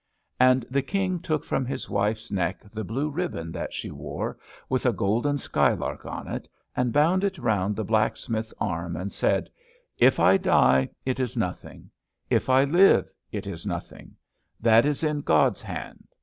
And the King took from his wife's neck the blue ribbon that she wore, with a golden sky lark on it, and bound it round the blacksmith's arm, and he said, "If I die, it is nothing; if I live, it is nothing; that is in God's hand.